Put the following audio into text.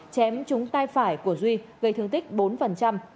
chém trúng tay phải của duy gây thương tích bốn